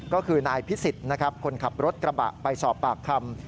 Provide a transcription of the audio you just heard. ก็คือนายพิสิทธิ์นะครับคนขับรถกระบะไปสอบปากคำ